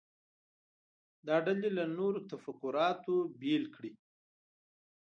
دا ډلې له نورو تفکراتو بیل کړي.